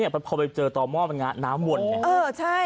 พอไปเจอต่อหม้อมันน้ำวนไง